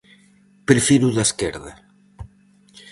Prefiro o da esquerda.